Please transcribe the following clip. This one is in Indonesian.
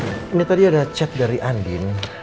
ini tadi ada chat dari andin